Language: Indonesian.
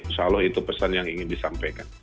insya allah itu pesan yang ingin disampaikan